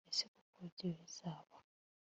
ese koko ibyo bizaba